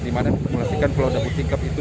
di mana disimulasikan pulau dabu singkep